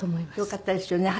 よかったですよね。